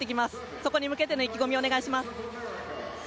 そこに向けての意気込みをお願いします。